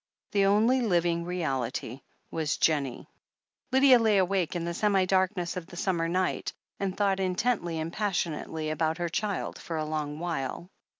The only living reality was Jennie. Lydia lay awake in the semi darkness of the summer night, and thought intently and passionately about her child for a long while.